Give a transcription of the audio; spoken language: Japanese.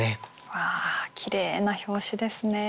わあきれいな表紙ですね。